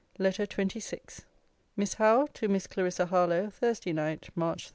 LETTER XXVI MISS HOWE, TO MISS CLARISSA HARLOWE THURSDAY NIGHT, MARCH 30.